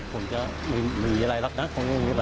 ผมจะมากมาก